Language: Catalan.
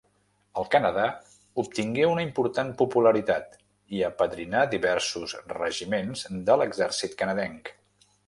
Al Canadà obtingué una important popularitat i apadrinà diversos regiments de l'exèrcit canadenc.